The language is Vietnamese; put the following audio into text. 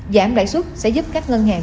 giảm lãi suất sẽ giúp các ngân hàng